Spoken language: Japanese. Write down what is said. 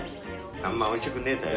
・あんまおいしくねぇんだよ。